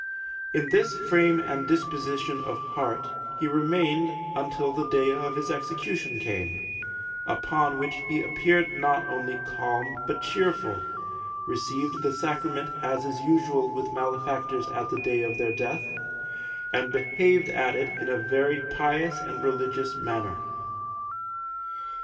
In this frame and disposition of heart he remained until the day of his execution came, upon which he appeared not only calm but cheerful, received the Sacrament as is usual with malefactors at the day of their death, and behaved at it in a very pious and religious manner.